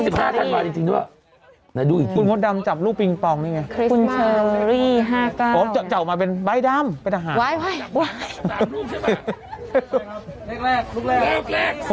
ใบดำเป็นอาหารไว้ไว้ไว้ลูกแรกลูกแรกคนไปเยอะอยู่ไหม